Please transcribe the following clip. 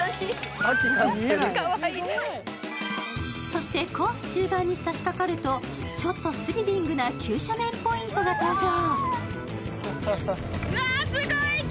そしてコース中盤に差しかかるとちょっとスリリングな急斜面ポイントが登場。